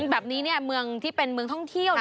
แบบนี้เมืองที่เป็นเมืองท่องเที่ยว